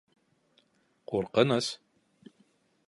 Ҡурҡыныс.